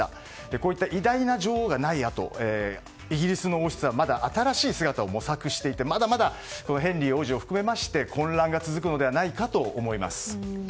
こういった偉大な女王がないあとイギリスの王室はまだ新しい姿を模索していてまだまだヘンリー王子を含めて混乱が続くのではないかと思います。